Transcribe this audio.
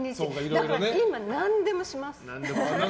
だから今、何でもします。